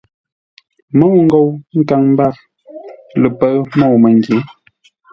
Môu ngou nkaŋ mbâr ləpə̂ʉ môu-məngyě.